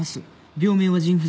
病名は腎不全。